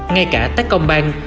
ngay cả techcombank